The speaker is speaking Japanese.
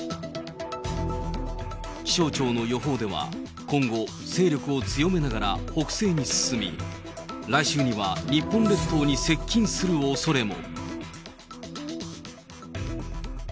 気象庁の予報では、今後、勢力を強めながら北西に進み、来週には日本列島に接近するおそれも。